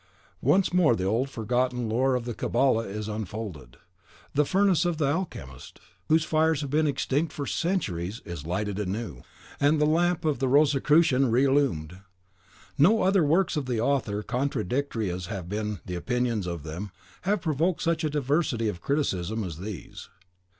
Once more the old forgotten lore of the Cabala is unfolded; the furnace of the alchemist, whose fires have been extinct for centuries, is lighted anew, and the lamp of the Rosicrucian re illumined. No other works of the author, contradictory as have been the opinions of them, have provoked such a diversity of criticism as these.